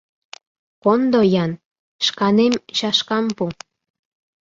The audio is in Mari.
Кондо-ян, шканем чашкам пу.